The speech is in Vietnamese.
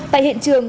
tại hiện trường